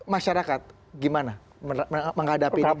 masyarakat gimana menghadapi krisis